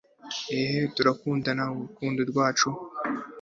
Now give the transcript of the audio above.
elihu mwene barakeli w'i buzi afata ijambo